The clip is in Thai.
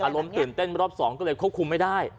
อารมณ์ตื่นเต้นรอบ๒ก็เลยควบคุมไม่ได้